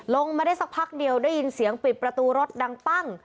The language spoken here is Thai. ลงมาได้สักพักเดียวได้ยินเสียงปิดประตูรถดังปั้ง